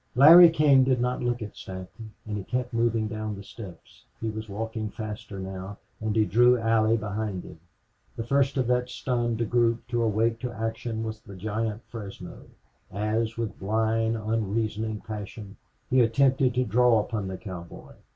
Larry King did not look at Stanton and he kept moving down the steps; he was walking faster now, and he drew Allie behind him. The first of that stunned group to awake to action was the giant Fresno, as, with blind, unreasoning passion, he attempted to draw upon the cowboy.